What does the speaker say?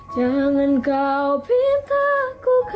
jangan kau pintar aku berpikir pikir